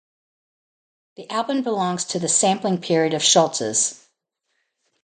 The album belongs to the "sampling" period of Schulze's.